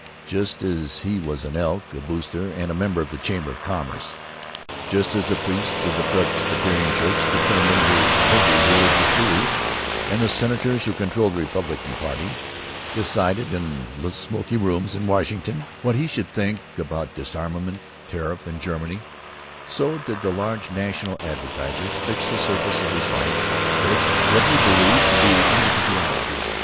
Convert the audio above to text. Just as he was an Elk, a Booster, and a member of the Chamber of Commerce, just as the priests of the Presbyterian Church determined his every religious belief and the senators who controlled the Republican Party decided in little smoky rooms in Washington what he should think about disarmament, tariff, and Germany, so did the large national advertisers fix the surface of his life, fix what he believed to be his individuality.